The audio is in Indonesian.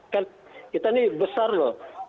kan kita ini besar loh